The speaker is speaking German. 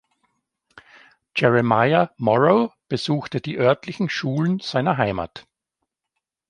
Jeremiah Morrow besuchte die örtlichen Schulen seiner Heimat.